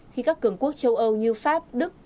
khi các cường quốc châu âu như pháp đức